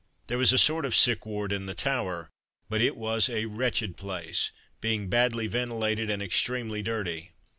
There was a sort of sick ward in the Tower, but it was a wretched place, being badly ventilated and extremely dirty.